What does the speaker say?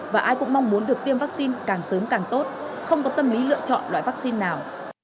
và ai cũng mong muốn được tiêm vaccine càng sớm càng tốt không có tâm lý lựa chọn loại vaccine nào